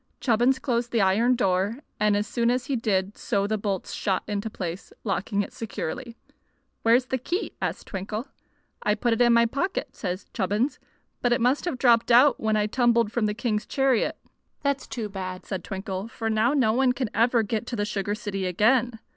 Chubbins closed the iron door, and as soon as he did so the bolts shot into place, locking it securely. "Where's the key?" asked Twinkle. "I put it into my pocket," said Chubbins, "but it must have dropped out when I tumbled from the king's chariot." "That's too bad," said Twinkle; "for now no one can ever get to the sugar city again.